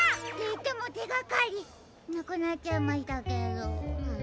いってもてがかりなくなっちゃいましたけど。